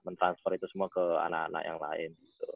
mentransfer itu semua ke anak anak yang lain